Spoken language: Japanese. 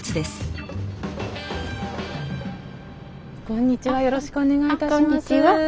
こんにちはよろしくお願いいたします。